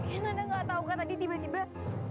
ya nanda gak tau kan tadi tiba tiba